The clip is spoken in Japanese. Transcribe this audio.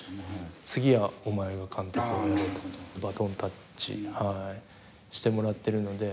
次はお前が監督をやれとバトンタッチをしてもらっているので。